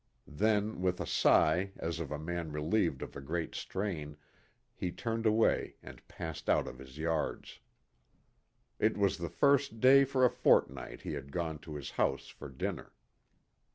Then, with a sigh as of a man relieved of a great strain, he turned away and passed out of his yards. It was the first day for a fortnight he had gone to his house for dinner.